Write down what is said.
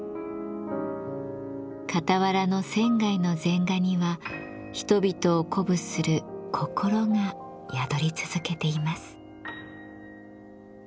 傍らの仙の禅画には人々を鼓舞する心が宿り続けています。